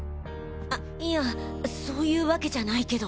あいやそういうワケじゃないけど。